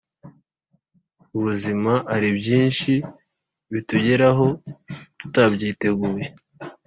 Ubuzima haribyinshi bitugeraho tutabyiteguye